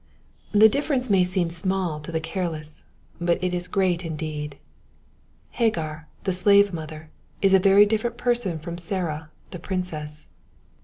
The difference may seem small to the careless, but it is great indeed. Hagar, the slave mother, is a very different person from Sarah, the princess.